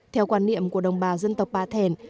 theo quan niệm của đồng bào dân tộc ba thèn